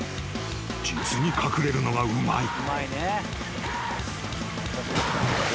［実に隠れるのがうまい］